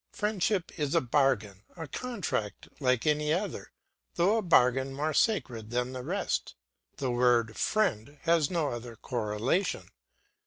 Friendship is a bargain, a contract like any other; though a bargain more sacred than the rest. The word "friend" has no other correlation.